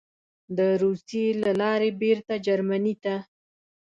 د روسیې له لارې بېرته جرمني ته: